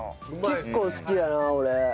結構好きだな俺。